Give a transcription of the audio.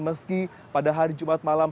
meski pada hari jumat malam